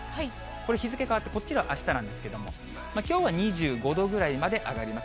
これ、日付変わって、こっちがあしたなんですけれども、きょうは２５度ぐらいまで上がります。